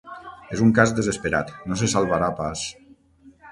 És un cas desesperat: no se salvarà pas.